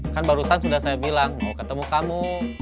kan barusan sudah saya bilang mau ketemu kamu